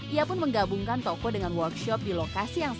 ia pun menggabungkan toko dengan workshop di lokasi yang sama